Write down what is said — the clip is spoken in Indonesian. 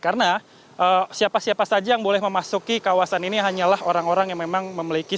karena siapa siapa saja yang boleh memasuki kawasan ini hanyalah orang orang yang memang memiliki